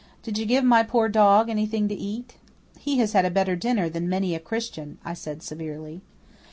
Did you give my poor dog anything to eat?" "He has had a better dinner than many a Christian," I said severely.